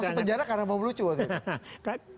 anda masuk penjara karena mau ngelucu waktu itu